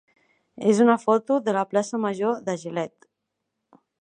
és una foto de la plaça major de Gilet.